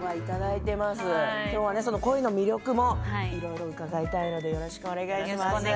今日は声の魅力も伺いたいのでよろしくお願いします。